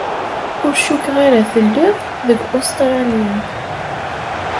Ur cukkeɣ ara telliḍ deg Ustṛalya.